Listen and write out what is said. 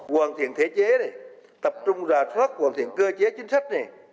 hoàn thiện thế chế tập trung rào thoát hoàn thiện cơ chế chính sách